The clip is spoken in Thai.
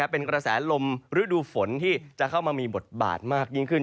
เป็นกระแสลมฤดูฝนที่จะเข้ามามีบทบาทมากยิ่งขึ้น